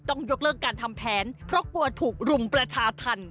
ต้องยกเลิกการทำแผนเพราะกลัวถูกรุมประชาธรรม